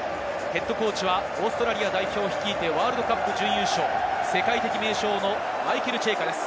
ＨＣはオーストラリア代表を率いてワールドカップ準優勝、世界的名将のマイケル・チェイカです。